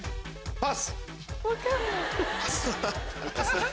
パス。